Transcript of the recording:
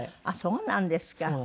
あっそうなんですか。